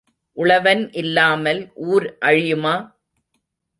உளவன் இல்லாமல் ஊர் அழியுமா?